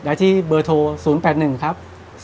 ได้ที่เบอร์โทร๐๘๑ครับ